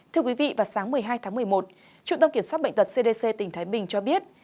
thưa quý vị vào sáng một mươi hai tháng một mươi một trung tâm kiểm soát bệnh tật cdc tỉnh thái bình cho biết